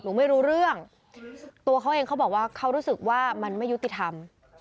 ไม่รู้เรื่องตัวเขาเองเขาบอกว่าเขารู้สึกว่ามันไม่ยุติธรรม